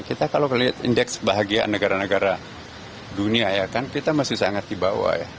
kita kalau melihat indeks kebahagiaan negara negara dunia ya kan kita masih sangat di bawah ya